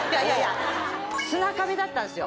砂壁だったんですよ